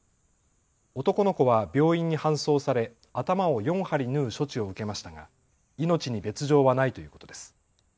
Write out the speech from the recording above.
男の子は病院に搬送され頭を４針縫う処置を受けましたが命に別状はないということです。